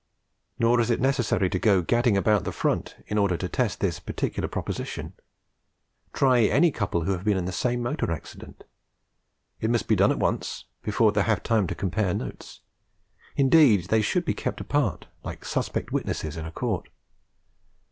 Nor is it necessary to go gadding about the front in order to test this particular proposition; try any couple who have been in the same motor accident. It must be done at once, before they have time to compare notes; indeed, they should be kept apart like suspect witnesses in a court.